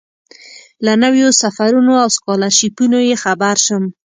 له نویو سفرونو او سکالرشیپونو یې خبر شم.